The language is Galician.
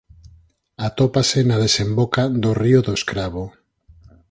Atópase na desemboca do río do Escravo.